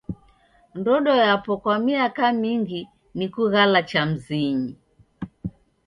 Ndodo yapo kwa miaka mingi ni kugala cha mzinyi.